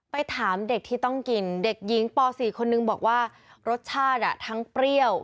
ถามเด็กที่ต้องกินเด็กหญิงป๔คนนึงบอกว่ารสชาติทั้งเปรี้ยว